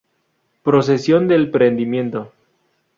Procesión del Prendimiento.